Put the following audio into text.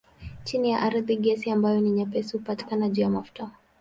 Chini ya ardhi gesi ambayo ni nyepesi hupatikana juu ya mafuta.